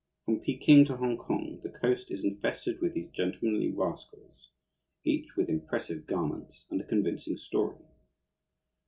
From Peking to Hongkong, the coast is infested with these gentlemanly rascals, each with impressive garments and a convincing story.